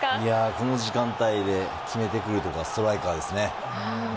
この時間帯で決めてくるのがストライカーですね。